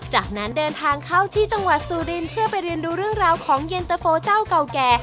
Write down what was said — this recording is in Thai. จากนั้นเดินทางเข้าที่จังหวัดสุรินทร์เพื่อไปเรียนดูเรื่องราวของเย็นตะโฟเจ้าเก่าแก่